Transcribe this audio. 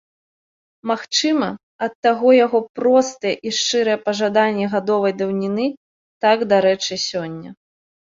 Магчыма, ад таго яго простыя і шчырыя пажаданні гадовай даўніны так дарэчы сёння.